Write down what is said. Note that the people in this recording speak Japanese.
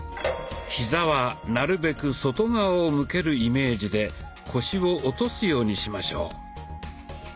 ヒザはなるべく外側を向けるイメージで腰を落とすようにしましょう。